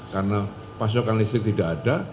karena pasokan listrik tidak ada